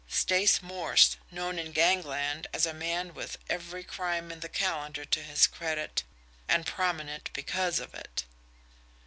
Stace Morse known in gangland as a man with every crime in the calendar to his credit, and prominent because of it!